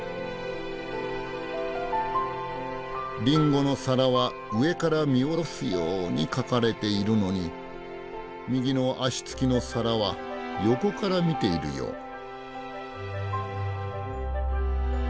リンゴの皿は上から見下ろすように描かれているのに右の脚つきの皿は横から見ているよう。